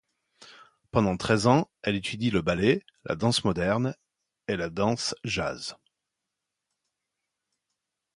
Pendant treize ans, elle étudie le ballet, la danse moderne et la danse jazz.